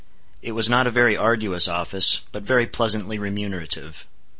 It was not a very arduous office, but very pleasantly remunerative.